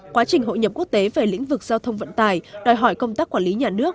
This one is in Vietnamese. quá trình hội nhập quốc tế về lĩnh vực giao thông vận tài đòi hỏi công tác quản lý nhà nước